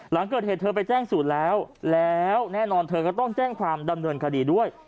หลังเกิดเหตุเธอไปแจ้งสูตรแล้วแล้วแน่นอนเธอก็ต้องแจ้งความดำเนินคดีด้วย